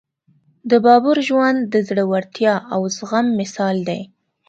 د بابر ژوند د زړورتیا او زغم مثال دی.